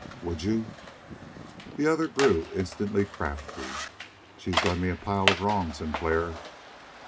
"Would you?" The other grew instantly crafty. "She's done me a pile of wrong, Sinclair."